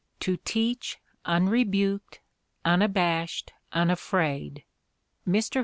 To teach, unrebuked, unabashed, unafraid. Mr.